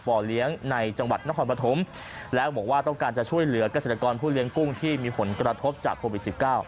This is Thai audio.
เลี้ยงในจังหวัดนครปฐมแล้วบอกว่าต้องการจะช่วยเหลือกเกษตรกรผู้เลี้ยงกุ้งที่มีผลกระทบจากโควิด๑๙